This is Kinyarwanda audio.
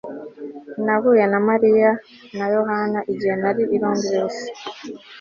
Nahuye na Mariya na Yohani igihe nari i Londres